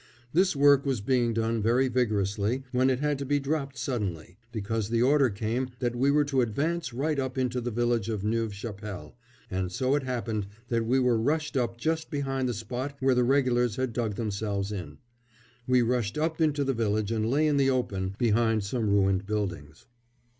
This work was being done very vigorously when it had to be dropped suddenly, because the order came that we were to advance right up into the village of Neuve Chapelle; and so it happened that we were rushed up just behind the spot where the Regulars had dug themselves in. We rushed up into the village and lay in the open, behind some ruined buildings.